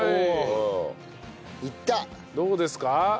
どうですか？